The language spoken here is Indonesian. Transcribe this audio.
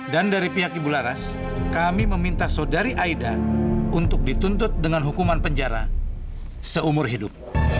dan dari pihak ibu laras kami meminta saudari aida untuk dituntut dengan hukuman penjara seumur hidup